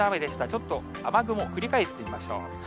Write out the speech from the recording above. ちょっと雨雲、振り返ってみましょう。